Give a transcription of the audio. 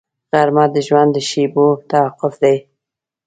غرمه د ژوند د شېبو توقف دی